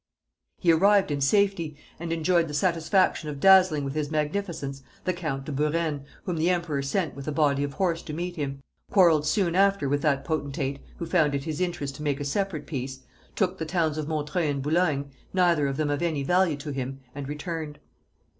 He arrived in safety, and enjoyed the satisfaction of dazzling with his magnificence the count de Buren whom the emperor sent with a body of horse to meet him; quarrelled soon after with that potentate, who found it his interest to make a separate peace; took the towns of Montreuil and Boulogne, neither of them of any value to him, and returned.